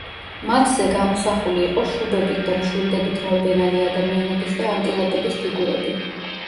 მათზე გამოსახული იყო შუბებით და მშვილდებით მორბენალი ადამიანების და ანტილოპების ფიგურები.